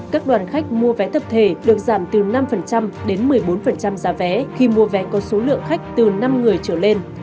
các đoàn khách mua vé tập thể được giảm từ năm đến một mươi bốn giá vé khi mua vé có số lượng khách từ năm người trở lên